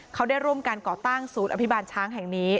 เขาได้ร่วมการก่อตั้งศูนย์อภิบาลช้างแห่งนี้